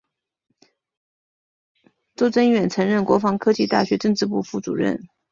邹征远曾任国防科技大学政治部副主任。